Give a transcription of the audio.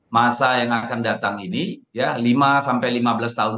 masa yang akan datang ini ya lima sampai lima belas tahun